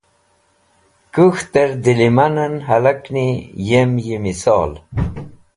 Kũk̃htẽr dẽlẽmanẽn hẽlakni yem yi misol